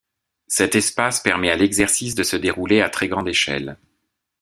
Cet espace permet à l'exercice de se dérouler à très grande échelle.